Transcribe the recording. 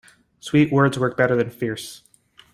Sweet words work better than fierce.